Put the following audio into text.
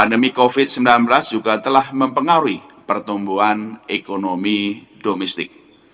pandemi covid sembilan belas juga telah mempengaruhi pertumbuhan ekonomi domestik